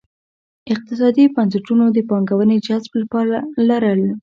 اقتصادي بنسټونو د پانګونې جذب لپاره لرل.